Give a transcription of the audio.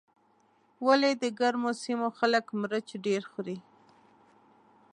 ولې د ګرمو سیمو خلک مرچ ډېر خوري.